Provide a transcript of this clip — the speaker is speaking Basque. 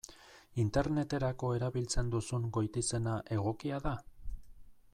Interneterako erabiltzen duzun goitizena egokia da?